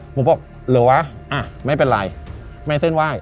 ผมบอกเหรอวะไม่เป็นไรไม่เส้นไหว้